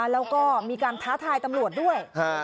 แล้วก็มีการท้าทายตำรวจด้วย